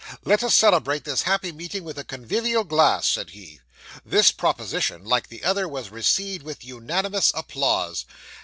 'Let us celebrate this happy meeting with a convivial glass,' said he. This proposition, like the other, was received with unanimous applause.